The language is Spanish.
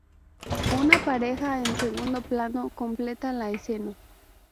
Una pareja en segundo plano completa la escena.